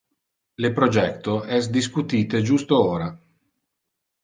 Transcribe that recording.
Le projecto es discutite justo ora.